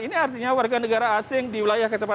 ini artinya warga negara asing di wilayah kecepatan